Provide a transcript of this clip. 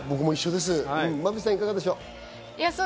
馬渕さんいかがでしょう？